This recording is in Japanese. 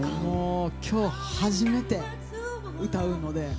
今日初めて歌うので。